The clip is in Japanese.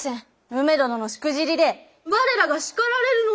梅殿のしくじりで我らが叱られるのじゃ。